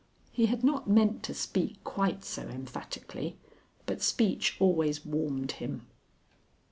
He had not meant to speak quite so emphatically, but speech always warmed him.